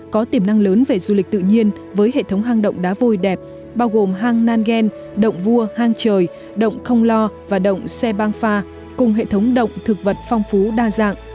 có tiềm năng lớn về du lịch tự nhiên với hệ thống hang động đá vôi đẹp bao gồm hang nang gen động vua hang trời động không lo và động xe băng pha cùng hệ thống động thực vật phong phú đa dạng